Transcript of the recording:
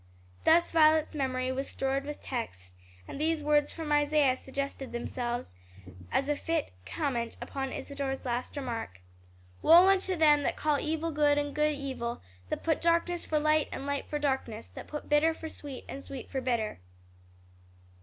Thus Violet's memory was stored with texts, and these words from Isaiah suggested themselves as a fit comment upon Isadore's last remark. "Woe unto them that call evil good and good evil; that put darkness for light and light for darkness; that put bitter for sweet and sweet for bitter."